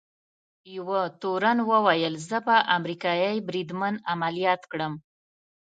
یوه تورن وویل: زه به امریکايي بریدمن عملیات کړم.